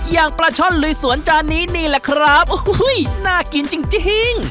อย่างปลาช่อนลุยสวนจานนี้นี่แหละครับโอ้โหน่ากินจริง